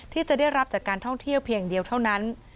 ที่จะได้รับจากการท่องเที่ยวเพียงเดียวเท่านั้น